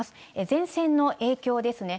前線の影響ですね。